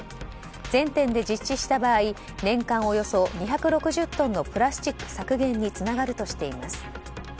全店で実施した場合年間およそ２６０トンのプラスチック削減につながるとしています。